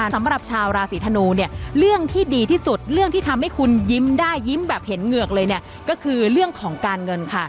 สำหรับชาวราศีธนูเนี่ยเรื่องที่ดีที่สุดเรื่องที่ทำให้คุณยิ้มได้ยิ้มแบบเห็นเหงือกเลยเนี่ยก็คือเรื่องของการเงินค่ะ